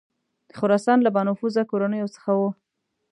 د خراسان له بانفوذه کورنیو څخه وه.